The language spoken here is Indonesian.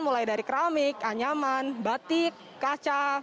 mulai dari keramik anyaman batik kaca